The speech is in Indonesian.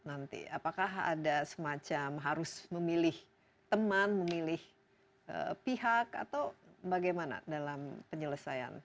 apakah ada semacam harus memilih teman memilih pihak atau bagaimana dalam penyelesaian